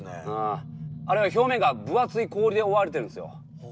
あああれは表面が分厚い氷で覆われてるんですよ。